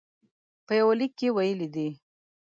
په یوه لیک کې ویلي دي.